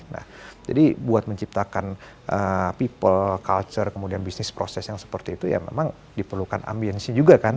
nah jadi buat menciptakan people culture kemudian bisnis proses yang seperti itu ya memang diperlukan ambiensi juga kan